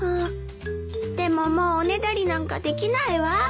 でももうおねだりなんかできないわ。